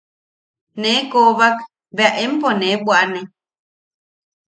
Nee koobak bea empo nee bwaʼane.